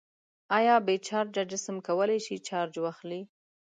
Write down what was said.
آیا بې چارجه جسم کولی شي چارج واخلي؟